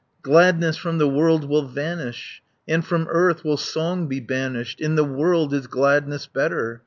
Gladness from the world will vanish, And from earth will song be banished. In the world is gladness better.